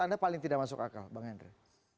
anda paling tidak masuk akal bang henry